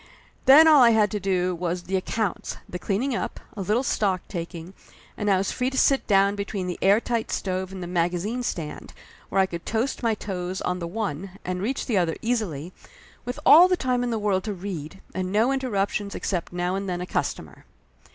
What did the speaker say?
And then all I had to do was the accounts, the cleaning up, a little stock taking, and I was free to sit down between the airtight stove and the magazine stand, where I could toast my toes on the one and reach the other easily, with all the time in the world to read, and no interruptions except now and then a customer.